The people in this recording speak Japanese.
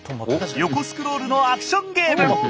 横スクロールのアクションゲーム！